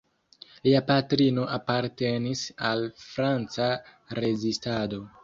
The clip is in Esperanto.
Lia patrino apartenis al franca rezistado.